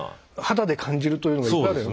肌で感じるというのがいっぱいある。